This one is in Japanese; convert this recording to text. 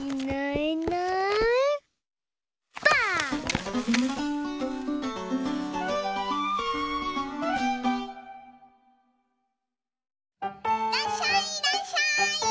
いらっしゃいいらっしゃい！